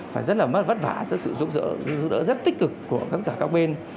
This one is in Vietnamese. và rất là mất vất vả sự giúp đỡ rất tích cực của tất cả các bên